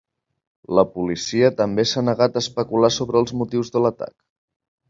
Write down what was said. La policia també s’ha negat a especular sobre els motius de l’atac.